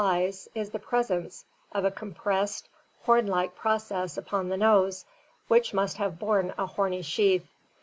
icipas, horn), is the pres ence of a compressed, horn like process upon the nose which must have borne a horny sheath.